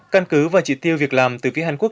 căn cứ và chỉ tiêu việc làm từ phía hàn quốc